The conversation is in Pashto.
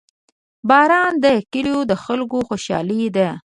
• باران د کلیو د خلکو خوشحالي ده.